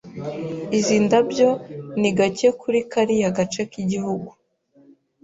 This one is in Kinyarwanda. Izi ndabyo ni gake kuri kariya gace k'igihugu.